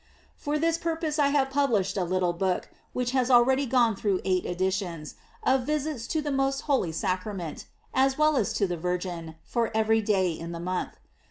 For this purpose I have published a little book, which has already gone through eight editions, of Visits to the most Holy Sac rament, as well as to the Virgin, for every day in the month.